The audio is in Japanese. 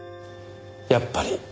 やっぱり。